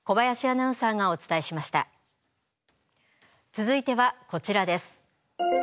続いてはこちらです。